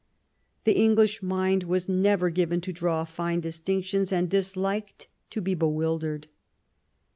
The English mind was never given to draw fine distinctions and disliked to be bewildered.